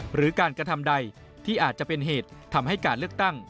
หรือการกระทำใดที่อาจจะเป็นเหตุทำให้การเลือกตั้ง